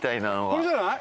これじゃない？